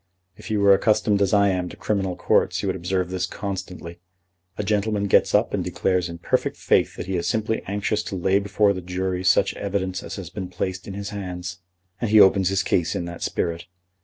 If you were accustomed as I am to criminal courts you would observe this constantly. A gentleman gets up and declares in perfect faith that he is simply anxious to lay before the jury such evidence as has been placed in his hands. And he opens his case in that spirit.